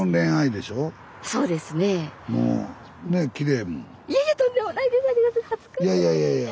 いやいやいやいや。